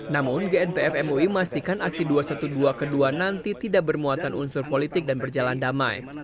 namun gnpf mui memastikan aksi dua ratus dua belas kedua nanti tidak bermuatan unsur politik dan berjalan damai